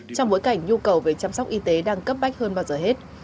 trong bối cảnh nhu cầu về chăm sóc y tế đang cấp bách hơn bao giờ hết